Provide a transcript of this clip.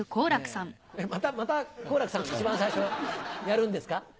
また好楽さんが一番最初やるんですか？